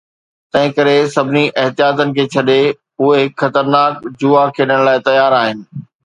تنهن ڪري، سڀني احتياطن کي ڇڏي، اهي هڪ خطرناڪ جوا کيڏڻ لاء تيار آهن.